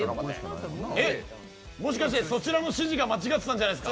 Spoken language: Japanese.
もしかしてそちらの指示が間違ってたんじゃないですか？